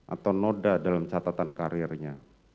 atau noda dalam catatan karirnya